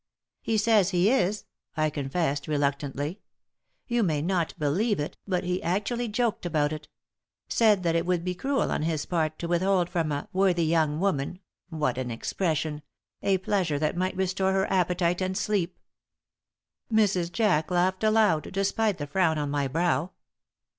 "He says he is," I confessed, reluctantly. "You may not believe it, but he actually joked about it; said that it would be cruel on his part to withhold from 'a worthy young woman' what an expression! a pleasure that might restore her appetite and sleep." Mrs. Jack laughed aloud, despite the frown on my brow.